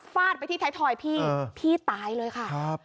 ฟาดไปที่ท้ายทอยพี่เออพี่ตายเลยค่ะครับ